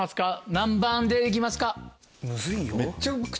何番で行きますか？